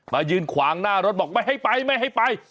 มายืนขวางหน้ารถบอกไม่ให้ไปไม่ให้ไป